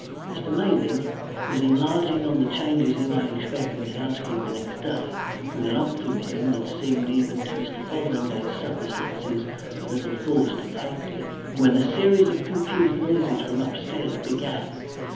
Mr. Maydig was enlarging on the changes he might expect in his housekeeper next day, with an optimism, that seemed even to Mr. Fotheringay's supper senses a little forced and hectic, when a series of confused noises from upstairs began.